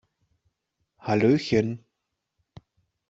Hallöchen!